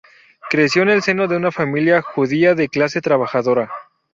Creció en el seno de una familia judía de clase trabajadora.